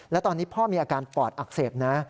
และตอนนี้พ่อมีอาการปอดอักเสบนะ